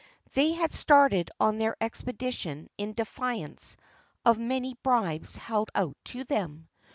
They had started on their expedition in defiance of many bribes held out to them.